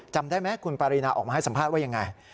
จำได้ไหมคุณปารีนาออกมาให้สัมภาษณ์ว่ายังไง